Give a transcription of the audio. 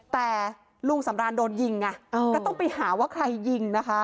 แต่ลุงสำรานโดนยิงไงก็ต้องไปหาว่าใครยิงนะคะ